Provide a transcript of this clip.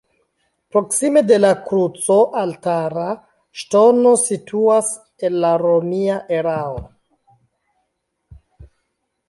Proksime de la kruco altara ŝtono situas el la romia erao.